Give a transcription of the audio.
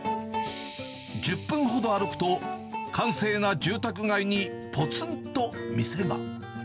１０分ほど歩くと、閑静な住宅街にぽつんと店が。